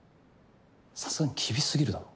さすがに厳しすぎるだろ。